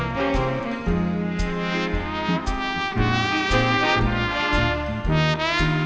ขอบความจากฝ่าให้บรรดาดวงคันสุขสิทธิ์